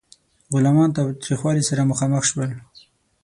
غلامان تاوتریخوالي سره مخامخ شول.